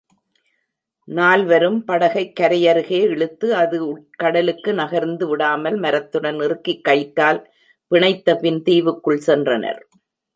நால்வரும் படகைக் கரையருகே இழுத்து அது உட்கடலுக்கு நகர்ந்து விடாமல் மரத்துடன் இறுக்கிக் கயிற்றால் பிணைத்தபின் தீவுக்குள் சென்றனர்.